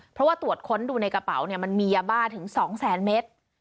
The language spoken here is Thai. เพราะว่าตรวจค้นดูในกระเป๋าเนี่ยมันมียาบ้าถึง๒แสนเมตร